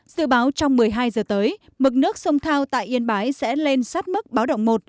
dự báo trong một mươi hai giờ tới mực nước sông thao tại yên bái sẽ lên sát mức báo động một